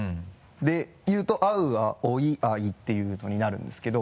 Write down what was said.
で言うと「あうあおいあい」ていうのになるんですけど。